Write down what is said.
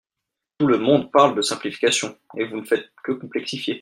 Tout le monde parle de simplification, et vous ne faites que complexifier.